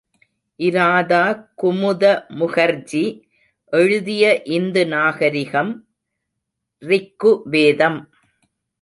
இராதா குமுத முகர்ஜி எழுதிய இந்து நாகரிகம், ரிக்கு வேதம்.